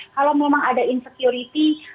kalau memang ada insecurity